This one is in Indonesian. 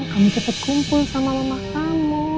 kamu cepet kumpul sama mama kamu